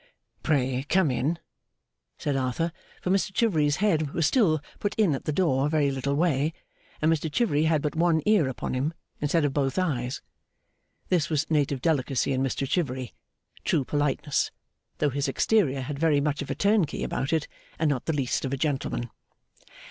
'Pray come in,' said Arthur; for Mr Chivery's head was still put in at the door a very little way, and Mr Chivery had but one ear upon him, instead of both eyes. This was native delicacy in Mr Chivery true politeness; though his exterior had very much of a turnkey about it, and not the least of a gentleman.